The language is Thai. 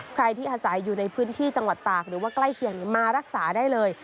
ใครที่อาศัยอยู่ในพื้นที่จังหวัดตากหรือว่าใกล้เคียงมารักษาได้เลย